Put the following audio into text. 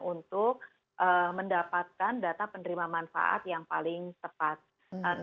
untuk mendapatkan data penerima manfaat yang paling tepat